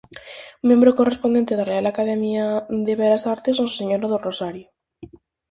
Membro correspondente da Real Academia de Belas Artes Nosa Señora do Rosario.